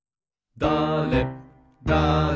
だれだれ